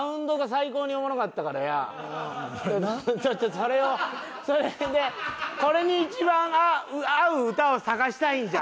それをそれでこれに一番合う歌を探したいんじゃ！！